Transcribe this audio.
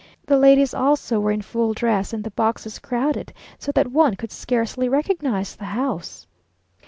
The ladies also were in full dress, and the boxes crowded, so that one could scarcely recognise the house.